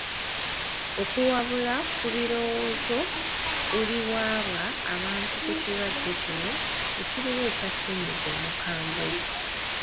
Okuwabula ku birowoozo ebiwabya abantu ku kirwadde kino ekiriwo ekya ssennyiga omukambwe.